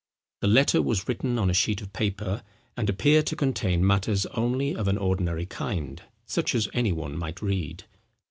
The letter was written on a sheet of paper, and appeared to contain matters only of an ordinary kind, such as any one might read.